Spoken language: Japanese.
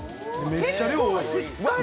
結構しっかり。